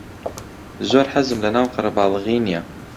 زۆر حەزم لەناو قەرەباڵغی نییە.